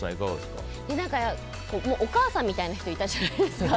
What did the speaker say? お母さんみたいな人いたじゃないですか。